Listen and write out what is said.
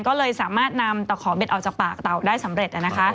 ก็เลยสามารถนำตะขอเบ็ดออกจากปากเต่าได้สำเร็จ